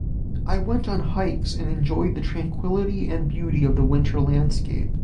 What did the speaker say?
I went on hikes and enjoyed the tranquility and beauty of the winter landscape.